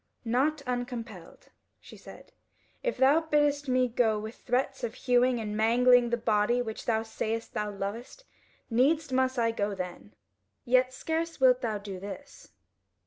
"Not uncompelled," she said: "if thou biddest me go with threats of hewing and mangling the body which thou sayest thou lovest, needs must I go then. Yet scarce wilt thou do this."